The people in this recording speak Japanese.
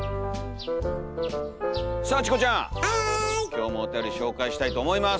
今日もおたより紹介したいと思います！